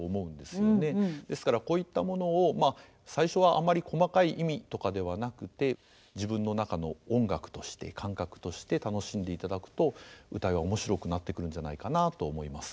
ですからこういったものをまあ最初はあまり細かい意味とかではなくて自分の中の音楽として感覚として楽しんでいただくと謡は面白くなってくるんじゃないかなと思います。